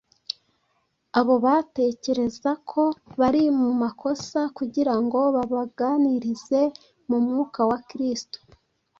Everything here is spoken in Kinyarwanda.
abo batekereza ko bari mu makosa kugira ngo babaganirize mu mwuka wa Kristo